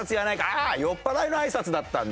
「ああ酔っ払いの挨拶だったんだ」って